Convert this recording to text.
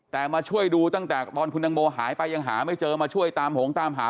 แต่มาช่วยดูตั้งแต่ตอนคุณตังโมหายไปยังหาไม่เจอมาช่วยตามหงตามหา